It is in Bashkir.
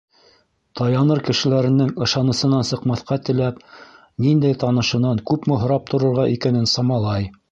Таяныр кешеләренең ышанысынан сыҡмаҫҡа теләп, ниндәй танышынан күпме һорап торорға икәнен самалай.